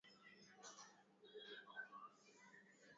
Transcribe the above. Zingatia ushauri wa wataalam katika usafirishaji wa kuku na ndege wengine